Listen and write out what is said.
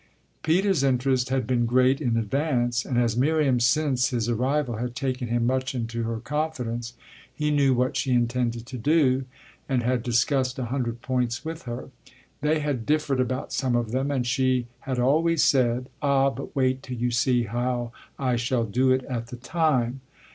Peter's interest had been great in advance, and as Miriam since his arrival had taken him much into her confidence he knew what she intended to do and had discussed a hundred points with her. They had differed about some of them and she had always said: "Ah but wait till you see how I shall do it at the time!"